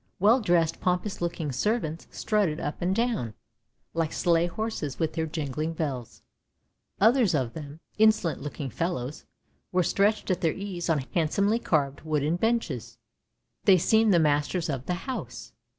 Well dressed pompous looking servants strutted up and down, like sleigh horses with their jingling bells; others of them, insolent looking fellows, were stretched at their ease on handsomely carved wooden benches; they seemed the masters of the house.